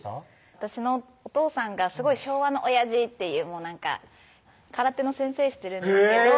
私のお父さんがすごい昭和のおやじっていう空手の先生してるのとへぇ！